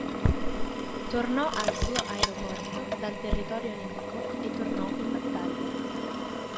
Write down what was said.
Tornò al suo aeroporto dal territorio nemico e tornò in battaglia.